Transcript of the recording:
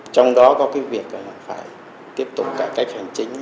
trong đó có cái việc phải tiếp tục cả cách hành chính